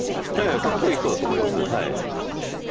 ええかっこいい人だと思います。